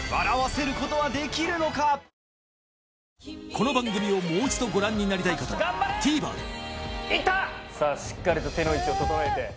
この番組をもう一度ご覧になりたい方はＴＶｅｒでしっかりと手の位置を整えて。